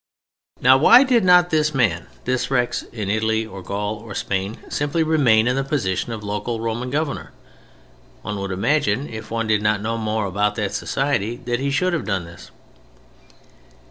Now why did not this man, this Rex, in Italy or Gaul or Spain, simply remain in the position of local Roman Governor? One would imagine, if one did not know more about that society, that he should have done this.